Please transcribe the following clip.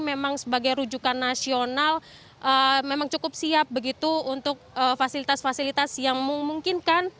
memang sebagai rujukan nasional memang cukup siap begitu untuk fasilitas fasilitas yang memungkinkan